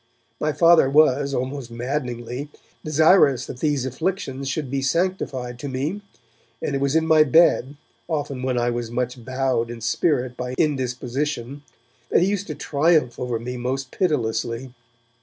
My Father was, almost maddeningly, desirous that these afflictions should be sanctified to me, and it was in my bed, often when I was much bowed in spirit by indisposition, that he used to triumph over me most pitilessly.